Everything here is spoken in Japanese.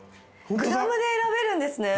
グラムで選べるんですね。